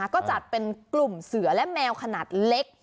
ก็จัดเป็นกลุ่มเสือและแมวขนาดเล็ก